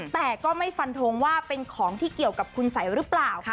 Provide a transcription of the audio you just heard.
แต่ก็ไม่ฟันทงว่าเป็นของที่เกี่ยวกับคุณสัยหรือเปล่า